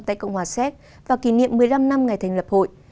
tại cộng hòa xét vào kỷ niệm một mươi năm năm ngày thành lập hội